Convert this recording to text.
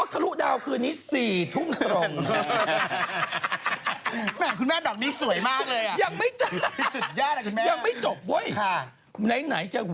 คุณแม่ดอกนี้สวยมากเลยสุดยาต่อคุณแม่